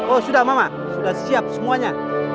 oh sudah mama sudah siap semuanya